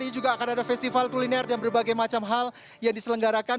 ini juga akan ada festival kuliner dan berbagai macam hal yang diselenggarakan